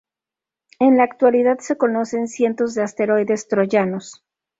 En la actualidad se conocen cientos de asteroides troyanos.